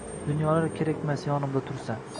Dunyolar kerkmas yonimda tursa